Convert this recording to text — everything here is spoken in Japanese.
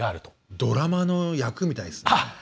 ドラマの役みたいですね。